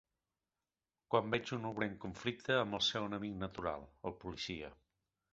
Quan veig un obrer en conflicte amb el seu enemic natural, el policia